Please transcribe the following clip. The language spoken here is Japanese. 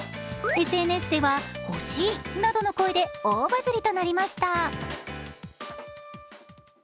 ＳＮＳでは、欲しいなどの声で大バズリとなりました。